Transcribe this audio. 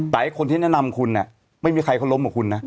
แต่คนที่แนะนำคุณไม่มีใครเขาล้มกับคุณนะ